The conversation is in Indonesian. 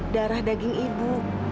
darah daging ibu